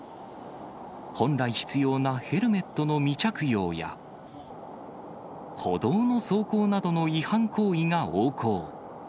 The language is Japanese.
本来必要なヘルメットの未着用や、歩道の走行などの違反行為が横行。